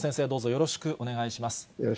よろしくお願いします。